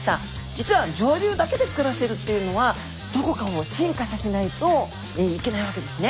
実は上流だけで暮らせるっていうのはどこかを進化させないといけないわけですね。